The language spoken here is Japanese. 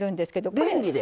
レンジで。